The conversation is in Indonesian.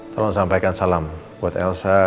tolong sampaikan salam buat elsa